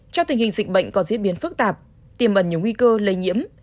trong tình hình dịch bệnh còn diễn biến phức tạp tiềm ẩn nhiều nguy cơ lây nhiễm